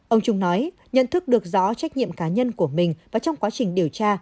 ông trung nói nhận thức được rõ trách nhiệm cá nhân của mình và trong quá trình điều tra